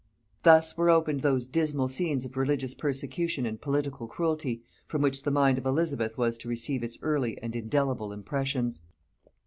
Thus were opened those dismal scenes of religious persecution and political cruelty from which the mind of Elizabeth was to receive its early and indelible impressions.